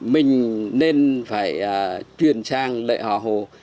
mình nên phải chuyển sang lấy họ hồ